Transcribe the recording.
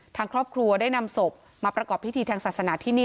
ทางครอบครัวได้นำศพมาประกอบพิธีทางศาสนาที่นี่